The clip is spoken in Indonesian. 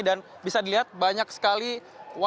dan bisa dilihat banyak sekali warga